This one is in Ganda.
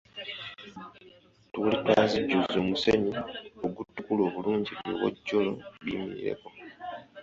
Ttule twazijjuza omusenyu ogutukula obulungi ebiwojjolo biyimirireko.